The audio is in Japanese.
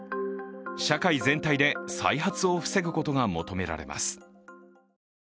社会全体で再発を防ぐことが求められます。